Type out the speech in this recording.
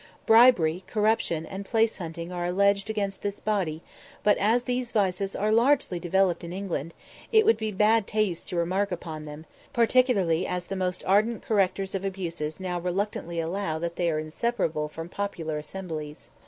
Bribery, corruption, and place hunting are alleged against this body; but as these vices are largely developed in England, it would be bad taste to remark upon them, particularly as the most ardent correctors of abuses now reluctantly allow that they are inseparable from popular assemblies.